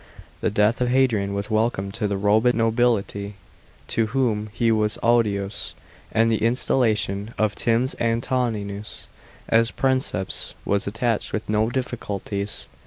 § 1. THE death of Hadrian was welcome to the Roman nobility, to whom he was odious, and the installation of Tims Antoninus as Princeps was attended with no difficulties.